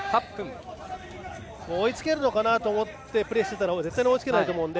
追いつけるのかなと思ってプレーしていたら絶対に追いつけないと思うので